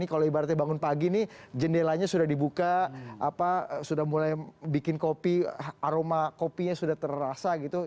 kalau ibaratnya bangun pagi nih jendelanya sudah dibuka sudah mulai bikin kopi aroma kopinya sudah terasa gitu